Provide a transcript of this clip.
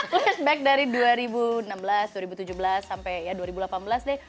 flashback dari dua ribu enam belas dua ribu tujuh belas sampai ya dua ribu delapan belas deh